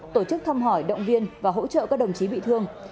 tổ chức thăm hỏi động viên và hỗ trợ các đồng chí bị thương